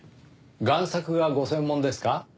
贋作がご専門ですか？